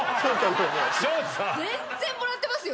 全然もらってますよ。